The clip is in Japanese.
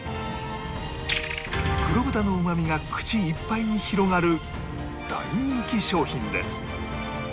黒豚のうまみが口いっぱいに広がる大人気商品です